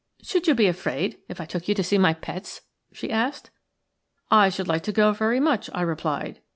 "Should you be afraid if I took you to see my pets?" she said. "I should like to go very much," I replied.